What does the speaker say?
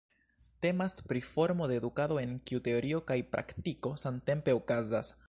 Temas pri formo de edukado en kiu teorio kaj praktiko samtempe okazas.